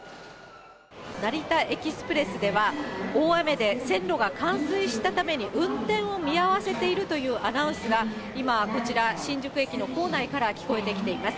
成田エキスプレスでは、大雨で線路が冠水したために、運転を見合わせているというアナウンスが今、こちら、新宿駅の構内から聞こえてきています。